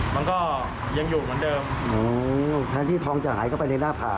มันก็ยังอยู่เหมือนเดิมแทนที่ทองจะหายเข้าไปในหน้าผ่า